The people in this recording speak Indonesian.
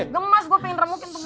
gemes gua pengen remukin semua